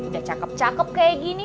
udah cakep cakep kayak gini